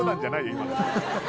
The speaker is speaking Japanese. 今の。